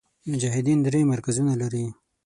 مجاهدین درې مرکزونه لري.